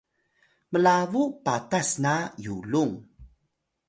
mlabu patas na yulung!